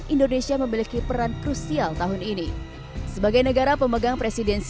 indonesia memiliki peran krusial tahun ini sebagai negara pemegang rohingya yang terkenal di indonesia